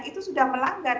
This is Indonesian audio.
itu sudah melanggar